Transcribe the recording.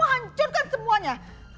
kamu hancurkan semuanya